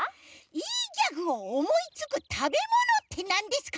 いいギャグをおもいつくたべものってなんですか？